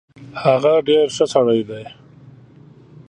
هغه ډیر خه سړی دی